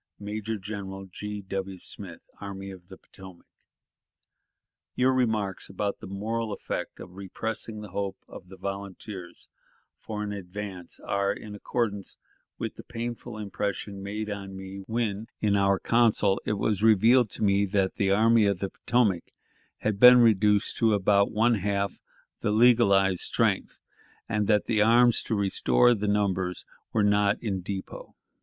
"Major General G. W. Smith, Army of the Potomac. "... Your remarks about the moral effect of repressing the hope of the volunteers for an advance are in accordance with the painful impression made on me when, in our council, it was revealed to me that the Army of the Potomac had been reduced to about one half the legalized strength, and that the arms to restore the numbers were not in depot.